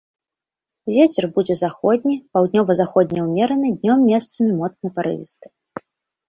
Вецер будзе заходні, паўднёва-заходні ўмераны, днём месцамі моцны парывісты.